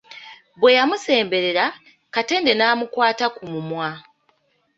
Bwe yamusemberera, Katende n'amukwata ku mumwa.